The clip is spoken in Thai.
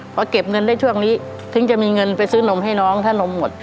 พอเก็บเงินได้ช่วงนี้ถึงจะมีเงินไปซื้อนมให้น้องถ้านมหมด